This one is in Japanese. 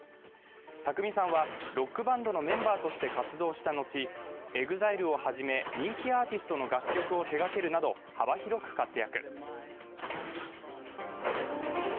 宅見さんはロックバンドのメンバーとして活動した後ＥＸＩＬＥを始め人気アーティストの楽曲を手がけるなど幅広く活躍。